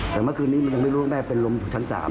แต่เมื่อคืนนี้มันยังไม่รู้ว่าแม่เป็นลมอยู่ชั้น๓